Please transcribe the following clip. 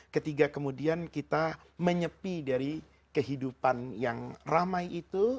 ketika kemudian kita menyepi dari kehidupan yang ramai itu